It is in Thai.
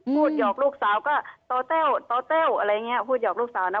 พูดหยอกลูกสาวก็ตอเต้วตอเต้วพูดหยอกลูกสาวนะ